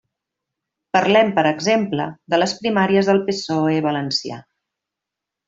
Parlem, per exemple, de les primàries del PSOE valencià.